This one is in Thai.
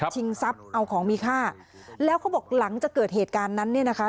ทรัพย์เอาของมีค่าแล้วเขาบอกหลังจากเกิดเหตุการณ์นั้นเนี่ยนะคะ